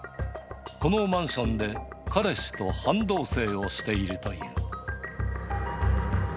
このマンションで彼氏と半同せいをしているという。